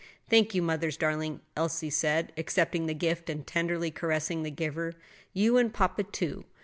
"Thank you, mother's darling," Elsie said, accepting the gift and tenderly caressing the giver; "you and papa, too.